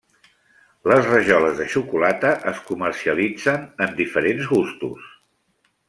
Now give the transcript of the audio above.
Les rajoles de xocolata es comercialitzen en diferents gustos.